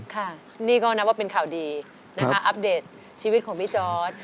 ค่ะนี่ก็นับว่าเป็นข่าวดีนะคะอัปเดตชีวิตของพี่จอร์ด